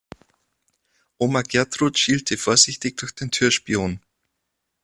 Oma Gertrud schielte vorsichtig durch den Türspion.